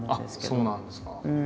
あっそうなんですか。